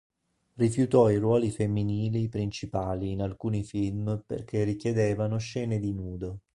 Rifiutò i ruoli femminili principali in alcuni film perché richiedevano scene di nudo.